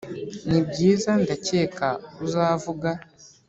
nibyiza ndakeka uzavuga